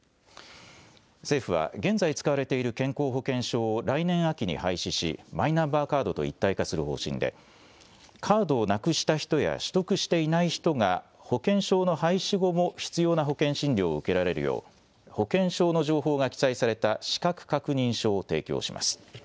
政府は、現在使われている健康保険証を来年秋に廃止し、マイナンバーカードと一体化する方針で、カードをなくした人や取得していない人が、保険証の廃止後も必要な保険診療を受けられるよう、保険証の情報が記載された資格確認書を提供します。